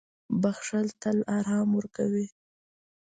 • بښل تل آرام ورکوي.